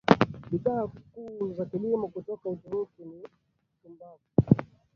Bidhaa kuu za kilimo kutoka Uturuki ni tumbaku